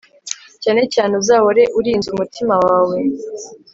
cyane cyane uzahore urinze umutima wawe